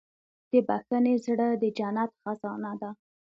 د بښنې زړه د جنت خزانه ده.